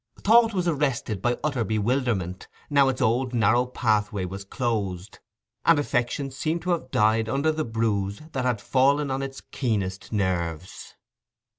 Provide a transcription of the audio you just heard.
Thought was arrested by utter bewilderment, now its old narrow pathway was closed, and affection seemed to have died under the bruise that had fallen on its keenest nerves.